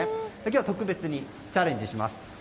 今日は特別にチャレンジします。